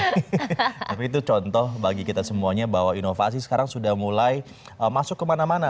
tapi itu contoh bagi kita semuanya bahwa inovasi sekarang sudah mulai masuk kemana mana